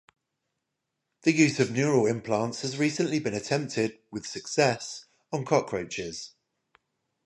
The use of neural implants has recently been attempted, with success, on cockroaches.